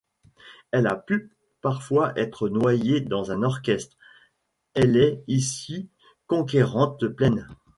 Elle a pu parfois être noyée dans un orchestre, elle est ici conquérante, pleine.